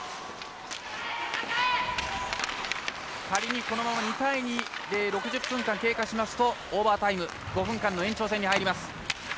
仮に２対２で６０分間、経過しますとオーバータイム５分間の延長戦に入ります。